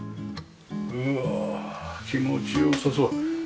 うわあ気持ちよさそう。